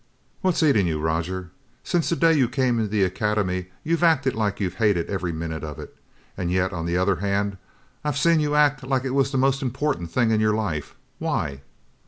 "What's eating you, Roger? Since the day you came into the Academy, you've acted like you hated every minute of it. And yet, on the other hand, I've seen you act like it was the most important thing in your life. Why?"